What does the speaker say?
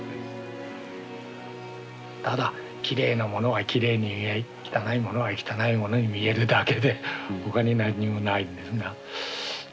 ただきれいなものはきれいに汚いものは汚いものに見えるだけで他に何にもないんですが。